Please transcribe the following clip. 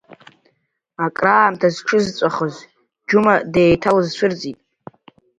Акраамҭа зҽызҵәахыз Џьума деиҭалызцәырҵит.